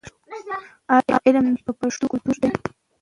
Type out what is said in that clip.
ایا علم په پښتو ګټور دی؟